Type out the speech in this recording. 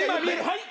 はい？